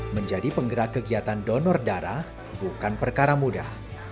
menjadi penggerak kegiatan donor darah bukan perkara mudah